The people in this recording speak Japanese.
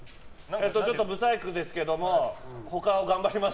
ちょっとブサイクですけども他を頑張ります。